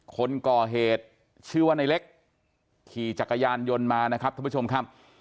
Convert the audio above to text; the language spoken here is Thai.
คนก่อเหตุชื่อว่าในเล็กขี่จักรยานยนต์มานะครับท่านผู้ชมครับ